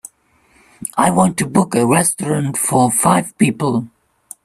I want to book a restaurant for five people.